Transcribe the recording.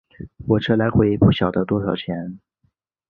火车来回不晓得多少钱